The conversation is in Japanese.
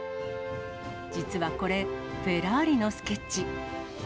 実はこれ、フェラーリのスケッチ。